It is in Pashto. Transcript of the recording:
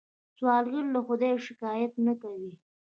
سوالګر له خدایه شکايت نه کوي